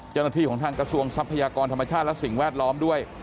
เจ้าหน้าที่ของทางกระทรวงทรัพยากรธรรมชาติและสิ่งแวดล้อมด้วย